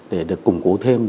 để được củng cố thêm